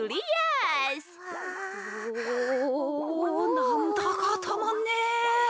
なんだかたまんねぇ。